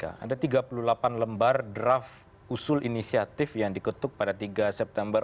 ada tiga puluh delapan lembar draft usul inisiatif yang diketuk pada tiga september